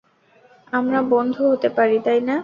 আমরা বন্ধু হতে পারি, তাই না?